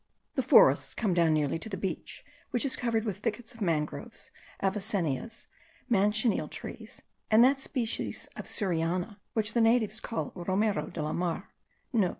The forests come down nearly to the beach, which is covered with thickets of mangroves, avicennias, manchineel trees, and that species of suriana which the natives call romero de la mar.